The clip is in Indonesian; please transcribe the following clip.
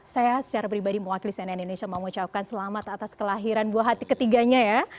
saya secara pribadi mewakili cnn indonesia mengucapkan selamat atas kelahiran buah hati ketiganya ya